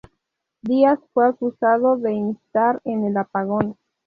Díaz fue acusado de instar el apagón.